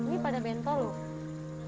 ini pada bento loh